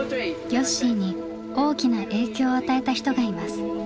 よっしーに大きな影響を与えた人がいます。